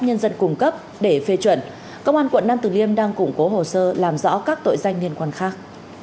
nhân dân cung cấp để phê chuẩn công an quận nam tử liêm đang củng cố hồ sơ làm rõ các tội danh liên quan khác